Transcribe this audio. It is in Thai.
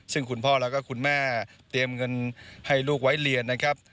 ซึ่งคุณพ่อแล้วก็คุณแม่เตรียมเงินให้ลูกไว้เรียนนะครับ